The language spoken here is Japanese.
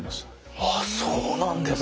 ああそうなんですか。